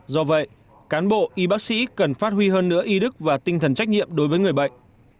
do vậy cán bộ y bác sĩ cần phát huy hơn nữa y đức và tinh thần trách nhiệm đối với người bệnh